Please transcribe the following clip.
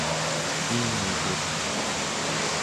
im'utun